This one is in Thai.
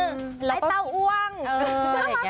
ไอ้เต้าอ้วง